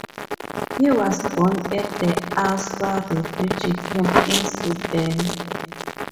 He was born at the Aswa refugee camp in Sudan.